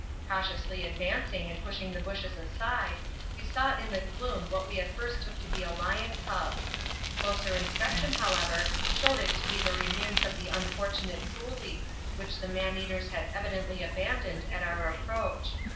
Cautiously advancing and pushing the bushes aside, we saw in the gloom what we at first took to be a lion cub; closer inspection, however, showed it to be the remains of the unfortunate coolie, which the man eaters had evidently abandoned at our approach.